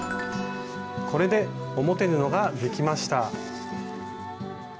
これで表布ができました。